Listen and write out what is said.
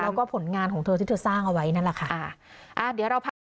แล้วก็ผลงานของเธอที่เธอสร้างเอาไว้นั่นแหละค่ะ